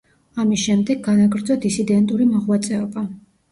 ამის შემდეგ განაგრძო დისიდენტური მოღვაწეობა.